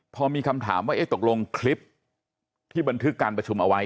พอมีคำถามว่าเอ๊ะตกลงคลิปที่บันทึกการประชุมเอาไว้